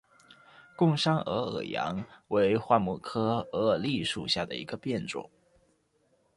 贡山鹅耳杨为桦木科鹅耳枥属下的一个变种。